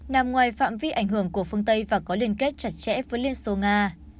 nằm ngoài phạm vi ảnh hưởng của phương tây và có liên kết chặt chẽ với liên xô nga